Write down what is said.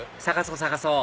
探そう